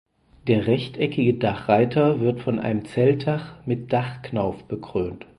Der rechteckige Dachreiter wird von einem Zeltdach mit Dachknauf bekrönt.